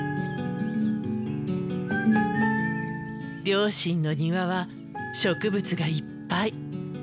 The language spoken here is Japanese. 両親の庭は植物がいっぱい。